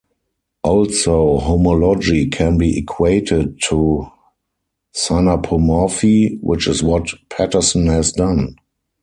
Also, homology can be equated to synapomorphy, which is what Patterson has done.